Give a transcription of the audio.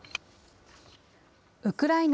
ウクライナ